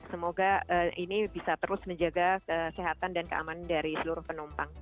semoga ini bisa terus menjaga kesehatan dan keamanan dari seluruh penumpang